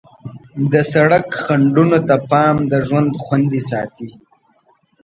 د سړک خنډونو ته پام د ژوند خوندي ساتي.